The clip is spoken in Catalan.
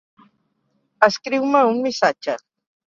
Escriu-me un missatge.